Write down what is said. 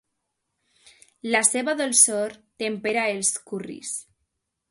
La seva dolçor tempera els curris.